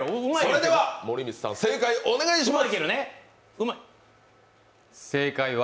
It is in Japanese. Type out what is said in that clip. それでは森満さん、正解お願いします。